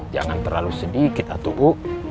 jangan terlalu sedikit atuk u